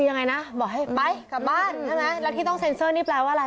ยังไงนะบอกให้ไปกลับบ้านใช่ไหมแล้วที่ต้องเซ็นเซอร์นี่แปลว่าอะไร